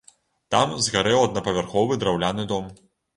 Там згарэў аднапавярховы драўляны дом.